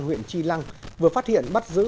huyện chi lăng vừa phát hiện bắt giữ